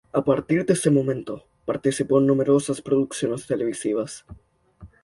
A partir de ese momento participó en numerosas producciones televisivas.